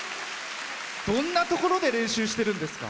どんなところで練習してるんですか？